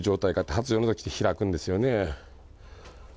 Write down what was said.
発情のときって開くんですよね。